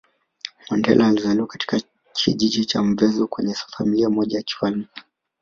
Mandela alizaliwa katika kijiji cha Mvezo kwenye Familia moja ya kifalme